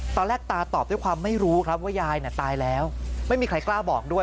ตาตอบด้วยความไม่รู้ครับว่ายายตายแล้วไม่มีใครกล้าบอกด้วย